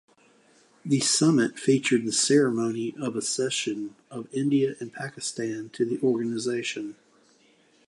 The summit featured the ceremony of accession of India and Pakistan to the organization.